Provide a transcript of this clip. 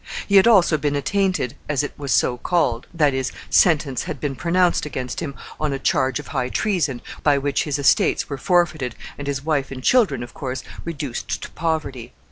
He had also been attainted, as it was called that is, sentence had been pronounced against him on a charge of high treason, by which his estates were forfeited, and his wife and children, of course, reduced to poverty.